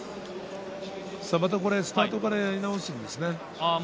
またスタートからやり直すんですね。